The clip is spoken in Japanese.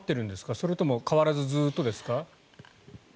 それとも変わらずずっとですか？